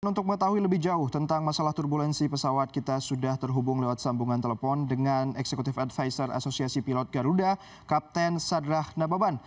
untuk mengetahui lebih jauh tentang masalah turbulensi pesawat kita sudah terhubung lewat sambungan telepon dengan executive advisor asosiasi pilot garuda kapten sadrah nababan